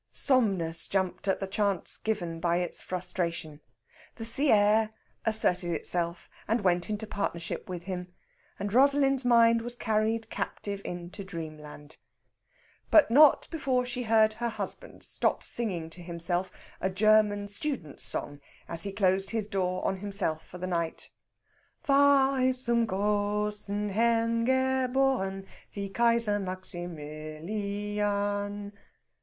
Somnus jumped at the chance given by its frustration; the sea air asserted itself, and went into partnership with him, and Rosalind's mind was carried captive into dreamland. But not before she had heard her husband stop singing to himself a German student's song as he closed his door on himself for the night. "War ich zum grossen Herrn geboren, wie Kaiser Maximilian...."